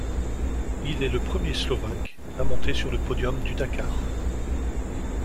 Il est le premier slovaque à monter sur le podium du Dakar.